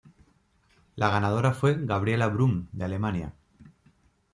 La ganadora fue Gabriella Brum de Alemania.